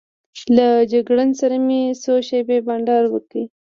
له جګړن سره مې یو څو شېبې بانډار وکړ.